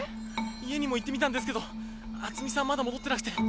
家にも行ってみたんですけどあつみさんまだ戻ってなくて。